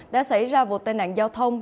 đã xảy ra vụ tai nạn giao thông